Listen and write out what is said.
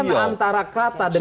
ini kan antara kata dengan tindakan